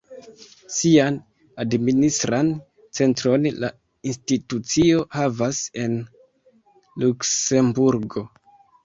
Sian administran centron la institucio havas en Luksemburgo.